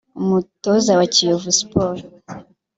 umutoza wa Kiyovu Sports